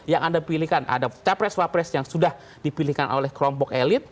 yang anda pilihkan ada capres wapres yang sudah dipilihkan oleh kelompok elit